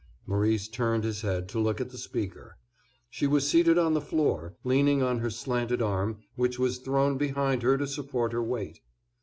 Maurice turned his head to look at the speaker. She was seated on the floor, leaning on her slanted arm, which was thrown behind her to support her weight.